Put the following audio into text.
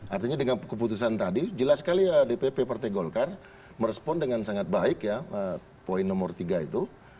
artinya dengan keputusan tadi jelas sekali dpp partai golkar merespon dengan sangat baik ya poin nomor tiga itu